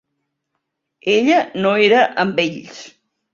Ella no era amb ells.